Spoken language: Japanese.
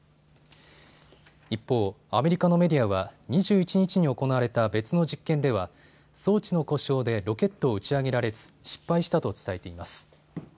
一方、アメリカのメディアは２１日に行われた別の実験では装置の故障でロケットを打ち上げられず失敗したと伝えています。